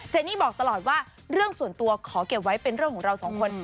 นี่บอกตลอดว่าเรื่องส่วนตัวขอเก็บไว้เป็นเรื่องของเราสองคน